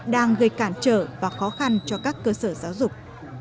đang gây cản trở và khó khăn cho các cơ sở giáo dục